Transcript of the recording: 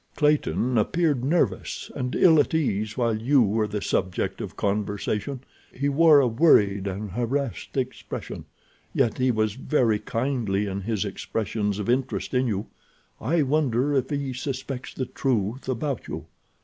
Clayton appeared nervous and ill at ease while you were the subject of conversation. He wore a worried and harassed expression. Yet he was very kindly in his expressions of interest in you. I wonder if he suspects the truth about you?